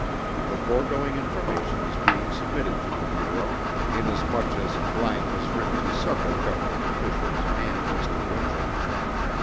The foregoing information is being submitted to the Bureau, inasmuch as ____ has written to several government officials and Mr. WINCHELL.